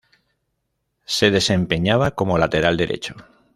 Se desempeñaba como lateral derecho.